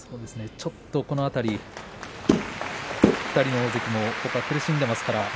ちょっとこの辺り２人の大関も苦しんでいますからね。